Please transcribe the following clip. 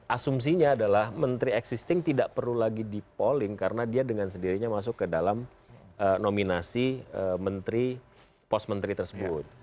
asumsinya adalah menteri existing tidak perlu lagi di polling karena dia dengan sendirinya masuk ke dalam nominasi menteri pos menteri tersebut